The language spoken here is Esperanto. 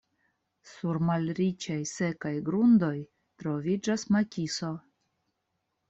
Sur malriĉaj, sekaj grundoj troviĝas makiso.